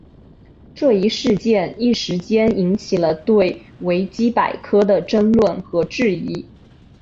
这一事件一时间引起了对维基百科的争论和质疑。